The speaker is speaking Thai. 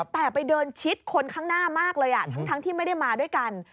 แต่ไปเดินชิดคนข้างหน้ามากเลยทั้งที่ไม่ได้มาด้วยกัน